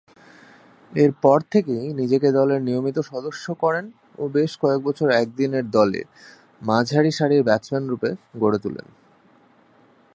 এরপর থেকেই নিজেকে দলের নিয়মিত সদস্য করেন ও বেশ কয়েকবছর একদিনের দলে মাঝারি সারির ব্যাটসম্যানরূপে গড়ে তুলেন।